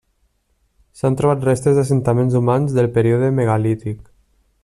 S'han trobat restes d'assentaments humans del període megalític.